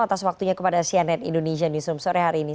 atas waktunya kepada cnn indonesia newsroom sore hari ini